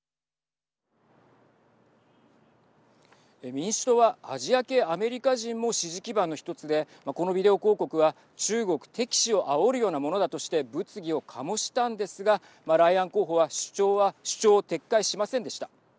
民主党はアジア系アメリカ人も支持基盤の１つでこのビデオ広告は中国敵視をあおるようなものだとして物議を醸したんですがライアン候補は主張を撤回しませんでした。